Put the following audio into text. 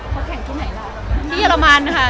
เขาแข่งที่ไหนค่ะ